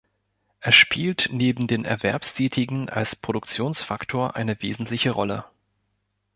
Er spielt neben den Erwerbstätigen als Produktionsfaktor eine wesentliche Rolle.